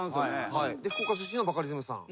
福岡出身のバカリズムさん。